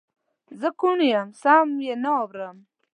زه کوڼ یم سم یې نه اورم